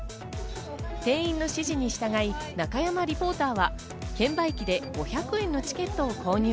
店員の指示に従い、中山リポーターは券売機で５００円のチケットを購入。